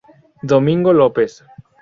Domingo López.